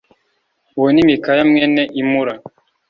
Uwo ni Mikaya mwene Imula